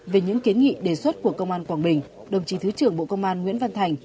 về những kiến nghị đề xuất của công an quảng bình đồng chí thứ trưởng bộ công an nguyễn văn thành